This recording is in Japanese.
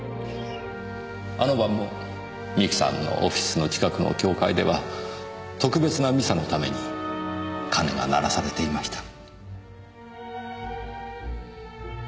あの晩も三木さんのオフィスの近くの教会では特別なミサのために鐘が鳴らされていました。